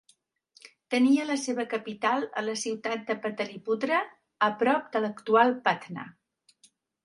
Tenia la seva capital a la ciutat de Pataliputra, a prop de l'actual Patna.